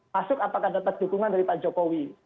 masuk apakah dapat dukungan dari pak jokowi